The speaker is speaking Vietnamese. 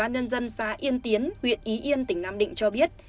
công sát yên tiến huyện ý yên tỉnh nam định cho biết